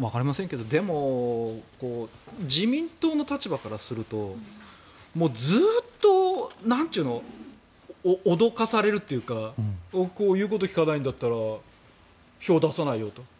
わかりませんがでも、自民党の立場からするとずっと、なんて言うの脅かされるというか言うこと聞かないんだったら票を出さないよと。